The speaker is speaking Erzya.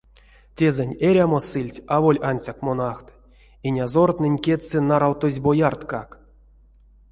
Тезэнь эрямо сыльть аволь ансяк монахт — инязортнэнь кедьсэ наравтозь боярткак.